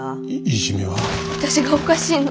私がおかしいの。